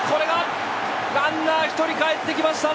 ランナー１人かえってきました！